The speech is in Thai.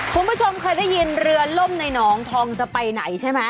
คุณผู้ชมเคยได้ยินเรือล่มในหนองทองจะไปไหนใช่ไหม